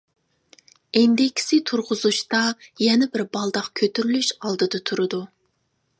ئىندىكىسى تۇرغۇزۇشتا يەنە بىر بالداق كۆتۈرۈلۈش ئالدىدا تۇرىدۇ.